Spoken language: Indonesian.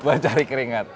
buat cari keringat